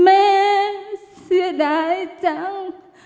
แม่เสียดายจัง